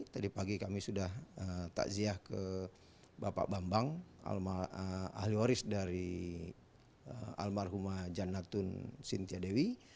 tadi pagi kami sudah takziah ke bapak bambang ahli waris dari almarhumah janatun sintiadewi